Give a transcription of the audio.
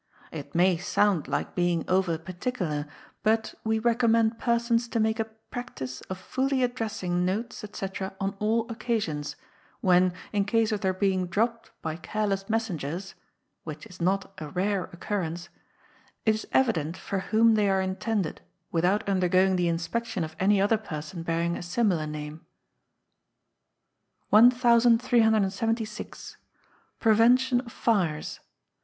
It may sound like being over particular, but we recommend persons to make a practice of fully addressing notes, &c., on all occasions; when, in case of their being dropped by careless messengers (which is not a rare occurrence), it is evident for whom they are intended, without undergoing the inspection of any other person bearing a similar name. 1376. Prevention of Fires.